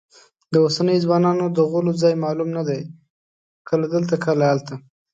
د اوسنیو ځوانانو د غولو ځای معلوم نه دی، کله دلته کله هلته وي.